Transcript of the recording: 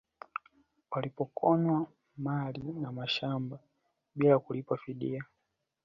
Walipokonywa mali na mashamba yao bila kulipwa fidia